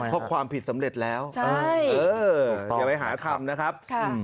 พบความผิดสำเร็จแล้วใช่เดี๋ยวไปหาคำนะครับ